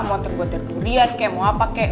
mau terbuat dari durian kayak mau apa kek